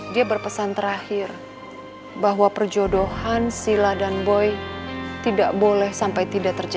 dia berpesan terakhir bahwa perjodohan sila dan boy tidak boleh sampai tidak terjadi